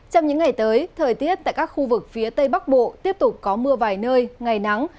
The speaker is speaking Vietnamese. trong những ngày tới thời tiết tại các khu vực phía tây bắc bộ tiếp tục có mưa vài nơi ngày nắng